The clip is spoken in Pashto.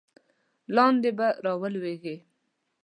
لاندې به را ولویږې.